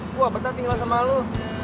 gue abetan tinggal sama lu